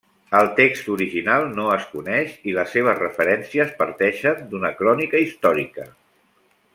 El text original no es coneix, i les seves referències parteixen d'una crònica històrica.